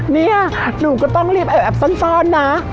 เนี่ยหนูก็ต้องรีบแอบซ่อนนะ